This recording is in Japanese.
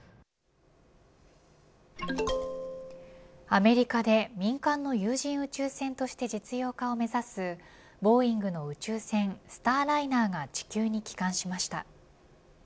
アメリカで民間の有人宇宙船として実用化を目指すボーイングの宇宙船スターライナーが地球に帰還しました。